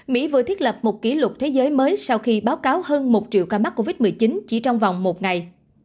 mỹ vừa thiết lập một kỷ lục thế giới mới sau khi báo cáo hơn một triệu ca mắc covid một mươi chín chỉ trong vòng một ngày